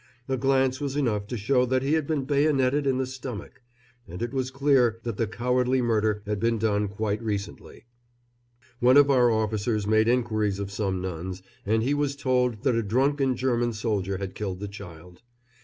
A glance was enough to show that he had been bayoneted in the stomach, and it was clear that the cowardly murder had been done quite recently. One of our officers made inquiries of some nuns, and he was told that a drunken German soldier had killed the child.